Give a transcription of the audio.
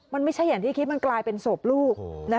มันไม่ใช่อย่างที่คิดมันกลายเป็นศพลูก